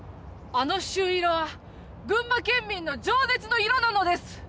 あの朱色は群馬県民の情熱の色なのです！